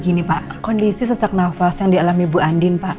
gini pak kondisi sesak nafas yang dialami ibu andin pak